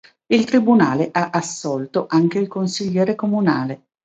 Il Tribunale ha assolto anche il consigliere comunale.